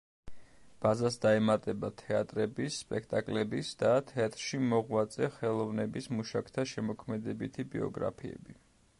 ბაზას დაემატება თეატრების, სპექტაკლების და თეატრში მოღვაწე ხელოვნების მუშაკთა შემოქმედებითი ბიოგრაფიები.